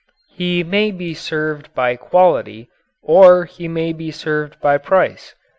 He may be served by quality or he may be served by price.